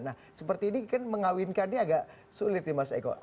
nah seperti ini kan mengawinkannya agak sulit nih mas eko